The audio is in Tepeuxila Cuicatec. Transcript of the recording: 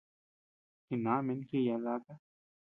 Jinamin jiya laka.